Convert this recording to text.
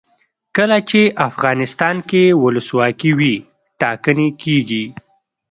کله چې افغانستان کې ولسواکي وي ټاکنې کیږي.